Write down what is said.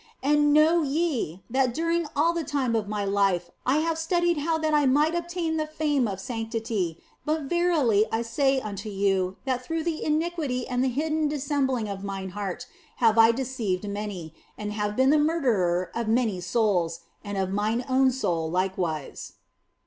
And know ye, that during all the time of my life I have studied how that I might obtain the fame of sanctity, but verily I say unto you that through the iniquity and the hidden dissembling of mine heart have I deceived many, and have been the murderer of many souls, and of mine own soul likewise."